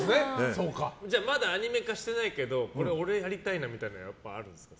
まだアニメ化してないけどこれ、俺やりたいなみたいなのはあるんですか？